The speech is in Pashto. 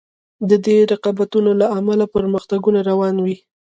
د دې رقابتونو له امله پرمختګونه روان وي.